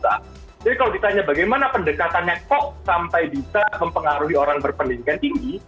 jadi kalau ditanya bagaimana pendekatannya kok sampai bisa mempengaruhi orang berpendidikan tinggi